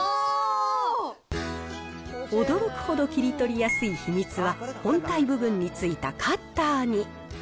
驚くほど切り取りやすい秘密は、本体部分についたカッターに。